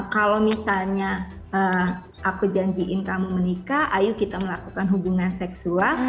kalau misalnya aku janjiin kamu menikah ayo kita melakukan hubungan seksual